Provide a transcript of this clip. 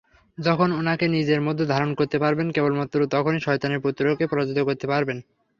যখন উনাকে নিজের মধ্যে ধারণ করতে পারবেন কেবলমাত্র তখনই শয়তানের পুত্রকে পরাজিত করতে পারবেন!